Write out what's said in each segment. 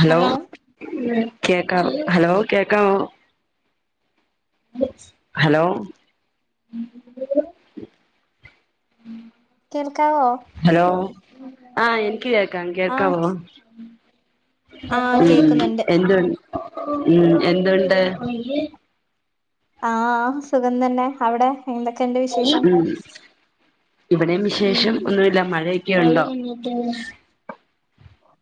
Hello കേക്കവോ hello കേക്കവോ hello കേൾക്കാവോ ഹലോ ആഹ എനിക്ക് കേൾക്ക ആഹ് കേക്കാവോ ആഹ് ഉം കേക്കുന്നുണ്ട് എന്തു ഉംഎന്തുണ്ട് ആഹ സുഗം തന്നെ അവിടെ എന്തക്കേണ്ട്? ഉ ഇബ്ടെം വിശേഷം ഒന്നുല മഴെക്കെ ഉണ്ടോ?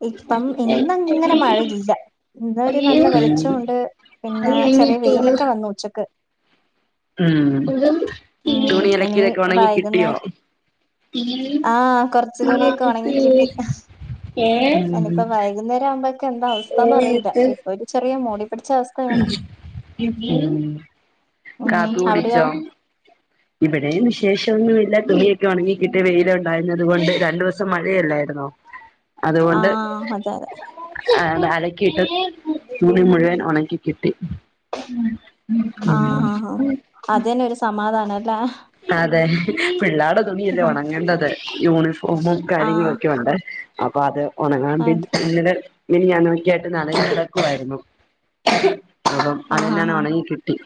ഇപ്പം ഇന്നങ്ങന മഴ ഇല്ല. ഇന്നൊരു നല്ല വെള്ച്ചൊണ്ട് പിന്നാ ചെറിയ വെയ്ലെക്ക വന്ന് ഉച്ചക്ക്. ഉം ഉം തുണി ഇനി അലക്കിയതൊക്കെ ഉണങ്ങി കിട്ടിയോ വൈകുന്നേരം ആഹ കൊറച്ചുതുണിയൊക്കെ ഉണങ്ങി കിട്ടി ഇനിപ്പോ വൈകുന്നേരം ആവുമ്പോഴൊക്കെ എന്താ അവസ്ഥന്നന്ന് അറിയില്ല ഇപ്പൊ ഒരു ചെറിയ മൂടി പിടിച്ച അവസ്ഥ ഉം ഉം കാപ്പി അവിടെയോ കുടിച്ചോ ഇവിടെ നി വിശേഷ ഒന്നുമില്ല തുണിയൊക്കെ ഉണങ്ങിക്കിട്ട് വെയില ഉണ്ടഞ്ഞത്കൊണ്ട് രണ്ടു ദിവസം മഴയല്ലായിരുന്നോ അതുകൊണ്ട് ആഹ് അതെ അതെ അ അലക്കിയിട്ട് തുണി മുഴുവൻ ഉണക്കി കിട്ടി ആഹ ആ ആ അതന്നെ ഒരു സമാധാന അല്ലേ അതെ പിള്ളാട തുണിയല്ലേ ആഹ് ഒണങ്ങേണ്ടത് യൂണിഫോമും കര്യങ്ങൊക്കെ ഒണ്ട്. അപ്പ അത് ഒണങ്ങാ പിൻ അതെ ഇങ്ങനെ മിനിഞ്ഞാന്ന് ഒൺക്ക്യാട്ട് നനഞ്ഞ് കെടക്കുവാര്ന്നു. അപ്പം ആഹ് ആഹ് അതെന്നെണങ്ങി കിട്ടി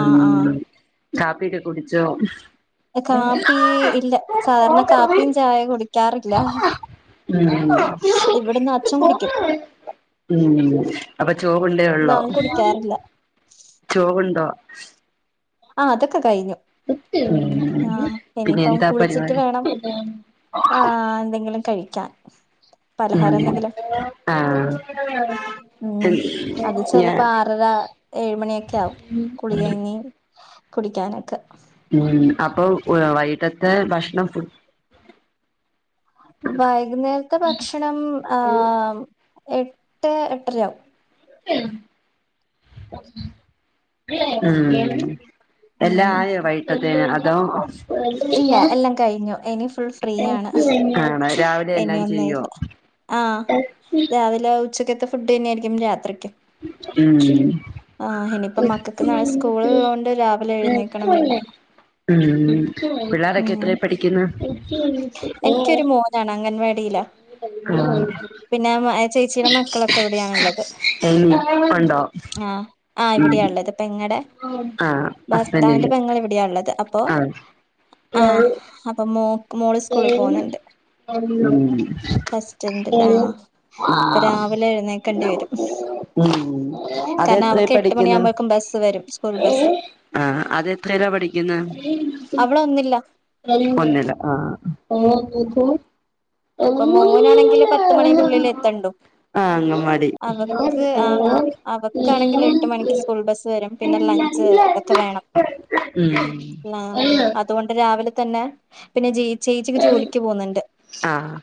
ആഹ് ഉം. ആഹ് കാപ്പിട്ട് കുട്ച്ചോ? കാപ്പീ ഇല്ല സാർണ കാപ്പിം ചായ കുടി ഉം ഇവിടുന്ന് അച്ഛൻ കുടിക്കും ഉം അപ്പ ചോവുണ്ടേ വെള്ളോ ഞാൻ കുടിക്കാറില്ല ചോവ്ണ്ടോ? ആഹ് അതെക്ക കയ്ഞ്ഞു ഉം ങാഹ് പിന്നെ ഇനിപ്പം എന്താ കുള്ച്ച്‌ട്ട് പരിപാടി വേണം ആഹ് എന്തങ്കിലും കഴ്ക്കാൻ ഉം ആഹ് ഉം അത് ഞാ ചെലപ്പ ആറര ഏഴ്മണിക്കാവും കുളികയ്ഞ്ഞ് കുടിക്കാനക്ക ഉം അപ്പം വൈട്ടത്തെ ഭഷ്ണം ഫു വൈക്ന്നേരത്ത ഭക്ഷണം ആഹ് എട്ട് എട്ടരാവും. ഉം എല്ല ഉം ആയോ വൈട്ടത്തെന് അതോ? ഇല്ല എല്ലാം കഴിഞ്ഞു ഇനി ഫുൾ ഫ്രീയാണ് ആണോ രാവിലെ എല്ലാം ഇനിയൊന്നും ചെയ്യോ ഇല്ല. ആഹ് രാവിലെ ഉച്ചക്കത്തെ ഫുഡ് തന്നെയാരിക്കും രാത്രിക്ക്‌. മ്ഹ് ഇനിയിപ്പം മക്കൾക്ക് ഒര്ത്തി നാളെ സ്കൂള് എണീറ്റ് ഉള്ളോണ്ട് രാവിലെ എഴുന്നേക്കണം പിന്നെ [unintelligible] ഉം പിള്ളാരൊക്കെ ഉം എത്രെ പഠിക്ക്‌ന്ന് ഒരുത്തി എണീറ്റ് എനിക്കൊരു ആഹ് മോനാണ് അംഗൻവാടിയിലാ [unintelligible] ആഹ് പിന്നെ ചേച്ചിടെ മക്കളൊക്കെ എവിടെയാണ് ഉള്ളത് ടൈം ഒണ്ടോ ആഹ് ഉം ഇവിടെയാ ഉള്ളത് പെങ്ങടെ ആഹ് ഭർത്താവിന്റെ ഹസ്ബൻഡിന്റെ പെങ്ങള് ഇവടെയാ ഉള്ളത് അപ്പോ ആഹ് ആഹ് അപ്പോ മോ മോള് സ്കൂളിൽ ഉം പോകുന്നുണ്ട് ടെസ്റ്റ്‌ണ്ട് ആഹ് ഉം അപ്പോ രാവിലെ എഴുന്നേക്കേണ്ടി വരും കാരണം അതെത്രേ അവക്ക് എട്ട് മണി പഠിക്കുന്ന് ആവുമ്പോഴക്കും ബസ്സ് വരും സ്കൂൾ ബസ്സ് ആഹ് അത് എത്രലാ പഠിക്കുന്നേ അവടൊന്നില്ല ഒന്നില്ല ആഹ് ആഹ് ഇപ്പോ മോനാണെങ്കിലേ പത്ത് മണിന്റെ ഉള്ളിൽ എത്തണ്ടോ അങ്ങമാടി അവക്ക് ആഹ് അവക്കാണെങ്കില് എട്ട് മണിക്ക് സ്കൂൾ ബസ്സ് വരും പിന്നെ ലഞ്ച് ഇതൊക്കെ വേണം ഉം പിന്നെ അ അതോണ്ട് രാവിലെ തന്നെ പിന്നെ ജീ ചേച്ചിക്ക് ജോലിക്ക് പോകുന്നുണ്ട് ആഹ്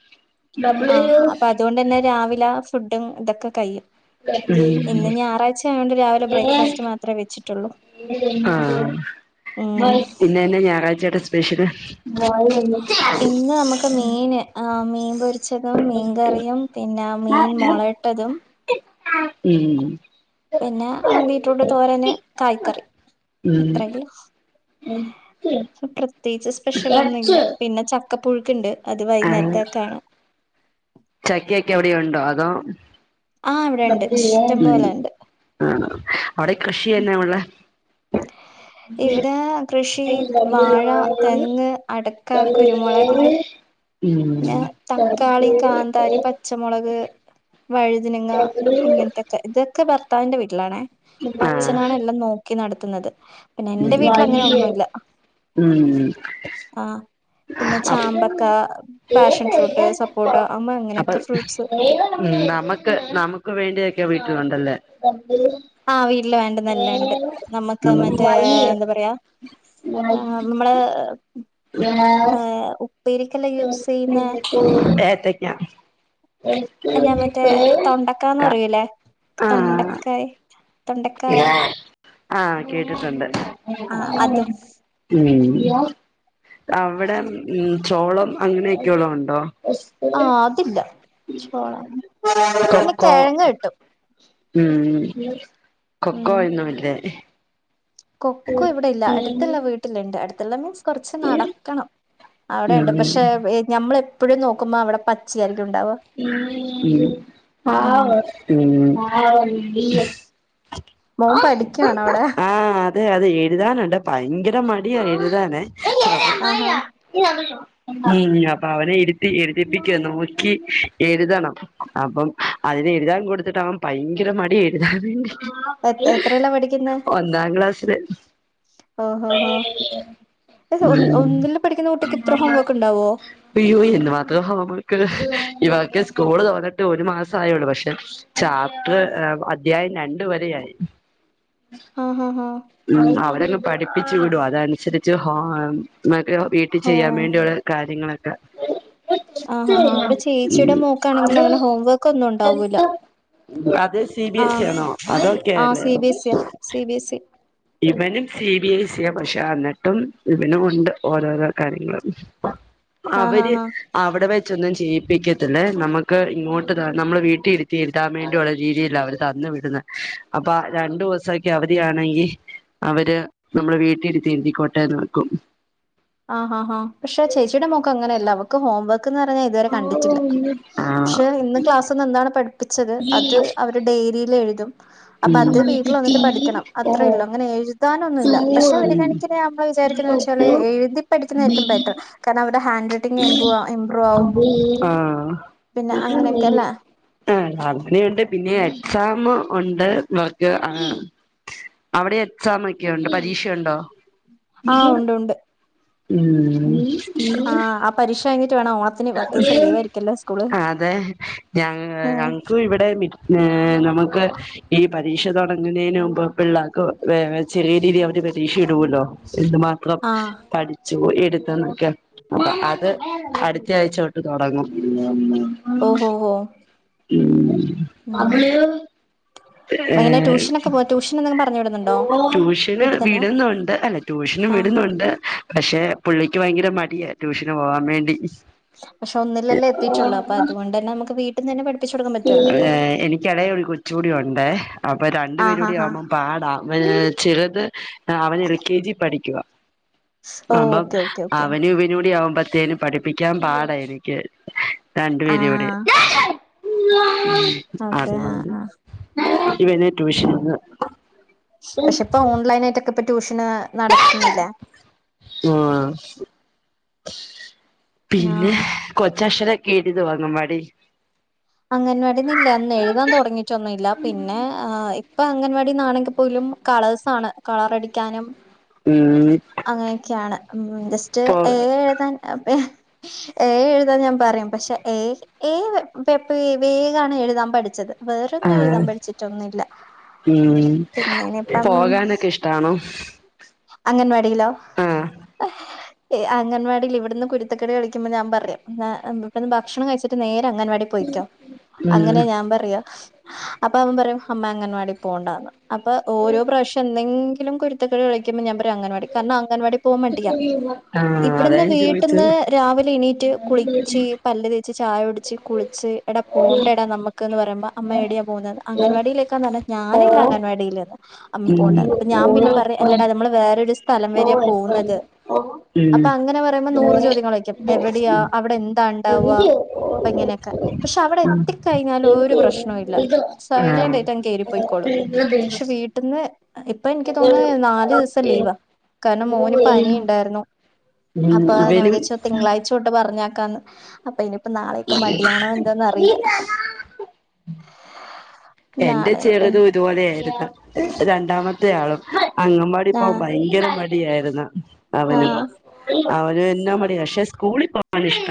ആ അപ്പ അതുകൊണ്ടേന്നെ രാവിലെ ഫുഡും ഇതൊക്കെ കയും ഉം ഇന്ന് ഞായറാഴ്ച ആയോണ്ട് രാവിലെ ബ്രേക്ക്ഫാസ്റ്റ് മാത്രമേ വെച്ചിട്ടുള്ളൂ ആഹ ഉം പിന്നെന്നെ ഞായറാഴ്ച ആയിട്ട് സ്പെഷ്യല് ഇന്ന് നമുക്ക് [unintelligible] മീന് ആ മീൻ പൊരിച്ചതും മീൻകറിയും പിന്നെ മീൻ മുളയിട്ടതും ഉം പിന്നെ ആ ബീറ്റ്രൂട്ട് തോരന് കായ്ക്കറി ഉം ഇത്രക്ക് ഉള്ളു പ്രത്യേകിച്ച് സ്പെഷ്യൽ ഒന്നില്ല ഉം പിന്നെ ച ക്ക പുഴുക്കുണ്ട് അത് വൈകുന്നേരത്തേക്കാണ് ചക്കേയോക്കെ അവിടെ ഉണ്ടോ അതോ ആ [unintelligible] ഇവിടെണ്ട് ഇഷ്ടം പോലെണ്ട് ആ അവിടെ കൃഷിയേന്ന ഉള്ളെ ഇവിടെ കൃഷി വാഴ തെങ്ങ് അടക്ക കുരുമുളക് ഉം പിന്നെ ഉം തക്കാളി കാന്താരി പച്ചമുളക് വഴുതനിങ്ങ ഇങ്ങനത്തെ ഇതൊക്കെ ഭർത്താവിന്റെ വീട്ടിലാണെ അപ്പ അച്ഛനാണ് എല്ലാം നോക്കി നടത്തുന്നത് പിന്നെ എന്റെ വീട്ടില് അങ്ങനെ ഒന്നും ഇല്ല ആഹ പിന്നെ ചാമ്പക്ക അപ് പാഷൻ ഫ്രൂട്ട് സപ്പോട്ട അമ്മ അപ്പൊ അങ്ങനെയൊക്കെ ഫ്രൂട്ട്സ് ഉം നമ്മക്ക് നമ്മക്ക് വേണ്ടിയൊക്കെ വീട്ടിലുണ്ടല്ലേ ആഹ വീട്ടില് വേണ്ടുന്ന എല്ലാം ഉണ്ട് നമ്മക്ക് മറ്റേ എന്താ പറയാ ആ നമ്മള് ഹേ ഹും ഏത്തക്ക അല്ല മറ്റേ തൊണ്ടക്കന്ന് ക പറയൂലേ തൊണ്ടക്കായി [unintelligible] ആഹ കേട്ടിട്ടുണ്ട് ആഹ് അതും ഉം അവിടെ ഉംമ്മ് ചോളം അങ്ങനെയൊക്കെയുള്ളോ ഉണ്ടോ ആ അതില്ല ചോളം പിന്നെ കൊക്കോ തേങ്ങ കിട്ടും ഉം ഉം കൊക്കോ ഒന്നും ഇല്ലേ കൊക്കോ ഇവിടെ ഇല്ല അടുത്തുള്ള ഉം വീ ട്ടില് ഇണ്ട് അടുത്തുള്ള മീൻസ് കൊറച്ച് നടക്കണം അവിടെ ഇണ്ട് പക്ഷെ ഞമ്മള് എപ്പോഴും നോക്കുമ്പോ അവടെ പച്ചയായിരിക്കും ഉണ്ടാവാ ഉം ഉം മോൻ പഠിക്കുവാണോ അവിടെ ആഹാ അതെ അത് എഴുതാനുണ്ട് ഭയങ്കര മടിയാ എഴുതാനെ ആഹാ ഉം അപ്പോ അവനെ ഇരുത്തി എഴുതിപ്പിക്കാൻ നോക്കി എഴുതണം അപ്പം അതിന് എഴുതാൻ കൊടുത്തിട്ടാവൻ ഭയങ്കര മടിയാ എഴുതാൻ വേണ്ടി എ എത്രയിലാ പഠിക്കുന്നെ ഒന്നാം ക്ലാസ്ില് ഓഹോ ഹ ഉം ഒന്നില് പഠിക്കുന്ന കുട്ടിക്ക് ഇത്ര ഹോം വർക്ക് ഉണ്ടാവോ അയ്യോ എന്ന് മാത്രേ നമ്മുക്ക് ഇവക്കെ സ്കൂള് തോന്നിട്ട് ഒരു മാസംയള്ളൂ പക്ഷെ ചാപ്റ്റർ അദ്ധ്യായം രണ്ടു വരെ ആയി ആഹ് ഹഹ ഉം അവരങ്ങ് പഠിപ്പിച്ചു വിടും അതനുസരിച്ച് [unintelligible] [unintelligible] മക്കെ വീട്ടിൽ ഹോ ചെയ്യാൻ വേണ്ടിയുള്ള കാര്യങ്ങളൊക്കെ ആഹ് ആ ആ അവിടെ ഉം ചേച്ചിയുടെ മോക്കാണെങ്കിൽ അങ്ങനെ ഹോംവർക്ക് ഒന്നും ഉണ്ടാവൂല്ല അത് സി ബി എസ് ഇ ആഹ ആണോ അതോ ആഹ സി കേരളയോ ബിഎ സിയ സി ബിഎസ് സി ഇവനും സി ബി ഐ സിയ പക്ഷെ എന്നിട്ടും ഇവനും ഉണ്ട് ഓരോരോ കാര്യങ്ങളും ആഹ് ഹാ അവര് ഹാ അവിടെ വെച്ച ഒന്നും ചെയ്യിപ്പിക്കത്തില്ലേ നമുക്ക് ഇങ്ങോട്ട് നമ്മൾ വീട്ടിലിരുത്തി കിട്ടാൻ വേണ്ടിയുള്ള രീതിയില്ല അവര് തന്ന വിടുന്നത് അപ്പൊ രണ്ടു ദിവസക്കെ അവധി ആണെങ്കിൽ അവര് നമ്മുടെ വീട്ടിലിരുത്തി എഴുതിക്കോട്ടെ വെക്കും ആഹാ ആഹാ പക്ഷെ ചേച്ചിയുടെ മൊക്കെ അങ്ങനെയല്ല അവക്ക് ഹോംവർക്ക് [unintelligible] കണ്ടിില്ല ആഹ് പക്ഷെ ഇന്ന് ക്ലാസ്സിൽ എന്താണ് പഠപ്പിച്ചത് അത് അവർ ഡയ രീല്എഴുതും അപ്പൊ അത് വീട്ടിൽ വന്നിട്ട് പഠിക്കണം അത്ര ള്ളു അങ്ങനെ എഴു പ്രധാനൊന്നു ല്ല പക്ഷെ ഒരു കണിക്കിന് നമ്മള് വിചാരിക്കുന്ന വെച്ചാല് എഴുതിപ്പഠിക്കുന്നതായിരിക്കും ബെറ്റർ കാരണംവിടെ ഹാൻ്റ് ആഹ് ആ പിന്നെ സാ അങ്ങനെയൊക്കെല്ലേ [unintelligible] ണ്ട് പിന്നെ എക്സാം ഉണ്ട് ഇവർക്ക് ആഹ് അവിടെ എക്സാം ഒക്കെയുണ്ട് പരീക്ഷുണ്ടോ ആഹ് ഉണ്ട് ഉണ്ട് ഉം ഉം ഉം ആഹ് ആ പരീക്ഷ കഴഞ്ഞിട്ട് വേണം ഓ [unintelligible] ആഹ് അതെ ഞങ്ങ ആഹ് ഞ ക്കു ഇവിടെ ഏഹ് നമുക്ക് ഈ പരീക്ഷ തെ തൊടങ്ങ് ന്നേ ന് മുമ്പ് പിള്ളേക്ക് വെ ചെറിയ രീതി അവര് പരീക്ഷ ഇടുല്ലോ എന്ത് മാ ത്രം ആഹ് പഠിച്ചു എടുത്തൊന്നെക്കെ അപ്പം അത് അട് ത്ത ആഴിച്ച തൊട്ട് തുടങ്ങും ഓഹോഓ ഉം അതില് ഏ ഹ് ടൂഷന് ന്നങ്കി പറഞ്ഞ് ട്യൂഷന് വിടുന്നുണ്ട് അല്ല ട്യൂഷനും ആഹ് വിടുന്നുണ്ട് പക്ഷെ പുള്ളിക്ക് ഭയങ്കര മടിയ ട്യൂഷന് പോവാൻ വേണ്ടി പക്ഷെ ഒന്ന് ലല്ലേ എത്തിട്ടെ ള്ളു അപ്പോ അതുകൊണ്ട്ന്നെ നമുക്ക് വീ ട്ട്ന്ന് ന്നെ പഠപ്പിച്ചുടുക്കാൻ പറ്റുല്ലോ ഏ എനിക്ക് എളയൊ ര് കൊ ചൂടി ഉണ്ടേ അപ്പൊ രണ്ടു പേരു ആഹ് കൂടി ആഹ് ആഹ് ആവുമ്പം പാടാ വെൽ ചെറുത് അവൻ എൽ കെ ജി പഠിക്കുവ അപ്പം ഓക്കെ ഓക്കെ ഓക്കെ അവന് ഇവനൂടി ആവുമ്പത്തേനും പഠിപ്പിക്കാൻ പാടാ എനിക്ക് രണ്ടു പേര ഇവിടെ ആഹ് ഓക്കെ ആഹ് അതുകൊണ്ട് ആഹ് ഇവന് ട്യൂഷൻന്ന് പക്ഷെ ഇപ്പ ഓൺലൈൻായിട്ടൊക്കെ ഇപ്പൊ ട്യൂഷന് നടത്തുന്നില്ലേ ആഹ് പിന്നെ ആഹ് കൊച്ചക്ഷരക്കെ എഴുതൊ അംഗൻവാടി അംഗൻവാടിന്ന് ഇല്ലേ അന്ന് എഴുതാൻ തുടങ്ങിട്ടൊന്നും ഇല്ല പിന്നെ ആഹ് ഇപ്പൊ അംഗൻവാടിന്നാണെങ്കി പോലും കളേഴ്സ് ആണ് കളറടിക്കാനും ഉം അങ്ങനെയൊക്കെയാണ് ഉം ജസ്റ്റ് പോ ഏ എഴുതാൻ ഏ എഴുതാൻ ഞാൻ പ റിം പക്ഷെ ഏ ഏ വപ്പ വേഗണ് എഴുതാൻ പഠിച്ചത് വേറൊന്നും എഴുതാ പഠ്ച്ചിട്ടൊന്നുല്ല ഉം ക്കെ പോകാനൊക്കെ ഇഷ്ടാണൊ അംഗൻവാടിയിലൊ അംഗൻവാടീല് ഇവിടുന്ന് കുര്ത്തക്കെട് കളിക്ക്മ്പ ഞാൻ പറയും ഇവിടുന്ന് ഭക്ഷണം കഴ്ച്ചിട്ട് നേരെ അംഗൻവാടി പൊയ്ക്കൊ ഉം അങ്ങനെ ഞാൻ പറയ അപ്പൊ അവൻ പറയും അമ്മെ അംഗൻവാടി പോണ്ടാന്ന് അപ്പൊ ഓരോ പ്രാവശ്യം എന്തെങ്കിലും കുര്ത്തക്കട് കളിക്കുമ്പ ഞാൻ പറയും അംഗൻവാടി. കാരണം അംഗൻവാടി പോവ മടിയ. ആഹ് അതാ ഇവിട്ന്ന് ഞാൻ വീട്ട്ന്ന് ചോദിച്ചത് രാവിലിണീറ്റ് കുളിച്ച് പല്ല് തേ ച്ച് ചായുടിച്ച് കുളിച്ച് എടാ പോണ്ടെടാ നമ്മക്ക് എന്ന് പറയുമ്പൊ അമ്മ ഏട്യാ പോകുന്നെ അംഗൻവാടിയിലേക്കന്നറഞ ഓ ഞാനില്ല അംഗൻവാടിയില്ന്ന് അമ്മ ഉം പോണ്ട അപ്പ ഞാ ഉം പിന്നെ പറിം അല്ലട ഞമ്മള് വേറൊര് സ് സ്ഥലം വരെയ പോവുന്നത്. അപ്പ അങ്ങനെ പറയുമ്പൊ നൂറ് ചോദ്യങ്ങളൊയ്ക്കും എവിടെയാ അവിടെ എന്ത ഇണ്ടാവ ഇപ്പങ്ങനെക്കെ പഷെ അവടെ എത്തിക്കഴിഞ്ഞ ഒ രു പ്രശ്നൊ ഇല്ല സൈലന്റായിട്ടങ്ങ് കേറി പൊയ്ക്കോളും ക്ഷേ ആഹ് വീ ട്ട്ന്ന് ഇപ്പൊ ഇൻക്ക് തോന്നുന്നു നാല് ദിവസം ഉം ലീവ കാര്ണം മോന് പനി ഇണ്ടാര്ന്നു അപ്പാ ഞാൻ ഇവനും വിജാരിച്ചു തിങ്കളാഴ്ചൊട്ട് പറഞ്ഞയക്കാന്ന് അപ്പൊ ഇനിയിപ്പൊ നാളെക്കെ മടിയാണൊ എന്താന്നറിയില്ല എന്റെ ഇപ്പൊ ചെറ്തും ഇതുപോലെ ആയിരുന്നു. രണ്ടാമത്തെ ആളും അങ്ങ് വാടി പോവാൻ ആഹ് ഭയങ്കര മടിയായിര്ന്ന് അവനും ആഹ് അവനും എന്ന മടിയാ പഷെ സ്കൂളി പോവ ണിഷ്ട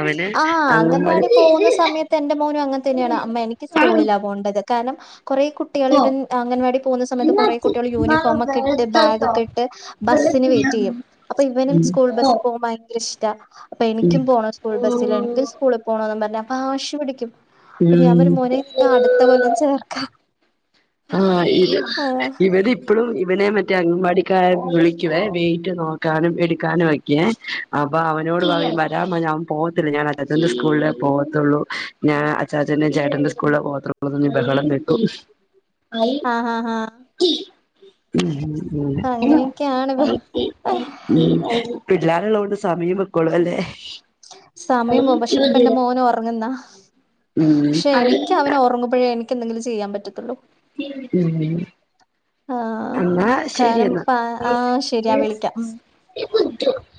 അവന് ആഹ് അങ്ങൻവാടി അംഗൻവാടി പോകുന്ന സമയത്ത് എന്റെ മോനും അങ്ങൻതന്നേണ് അമ്മെ എനിക്ക് സ്കൂളില പോണ്ടത് കാര്ണം കുറെ കുട്ടികള് ഇപ്പം അംഗൻവാടി പോക്ന്ന സമയത്ത് കൊറെ കുട്ടികള് യൂണിഫോമൊക്കെ ഇട്ട് ബാഗൊക്കെ ഇട്ട് ബസ്സിന് വെയ്റ്റയ്യും അപ്പൊ ഇവനും ഉം സ്കൂൾ ബസ്സ് പോവാ ഭയ ഇഷ്ട. അപ്പ എനിക്കും പോണ സ്കൂൾ ബസ്സിലാ എനിക്ക് ഉം സ്കൂളി പോണ ന്നറഞ്ഞ് അപ വാശി പിട്ക്കും അപ്പൊ ഞാൻ ഉം പറയും മോനെ നിന്നെ അട്ത്ത കൊല്ലം ചേർക്ക ആഹ് ഇത് ആഹ് ഇവര് ഇപ്പഴും ഇവനെ മറ്റെ അംഗൻവാടിക്കാര് വിളിക്കുവെ വെയിറ്റ് നോക്കാനും എട്ക്കാനൊക്കെയെ അപ്പ അവനോട് പറയും വരാമ്മ ഞാൻ പോവത്തില്ല ഞാൻഅച്ചാച്ചന്റെ സ്കൂൾലെ പോവത്തുള്ളു ഞാൻ അച്ചാചന്റ ചേട്ടന്റെ സ്കൂൾലെ പോവത്തുള്ളുന്ന് ബഹളം വെക്കും ആഹ് ഹാ ഹാ ഈ ഉം ഉം ഉം അങ്ങനെയൊക്കെയാണ് ഇപ്പൊ പിള്ളോരുള്ളത് കൊണ്ട് സമയം പൊക്കോളും അല്ലെ സമയം പോവും. പഷെ ഇപ്പന്റെ മോനൊറങ്ങ്ന്ന. ഉം ഉം പഷെ എനിക്ക് അവന് ഒറങ്ങു അപ്പഴേ എനിക്ക് എന്തെങ്കിലും ചെയ്യാൻ പറ്റത്തുള്ളു ഉം ആഹ് കാര്ണം ആഹ് ശരിയ എന്നാ വിളിക്ക ഉം [unintelligible]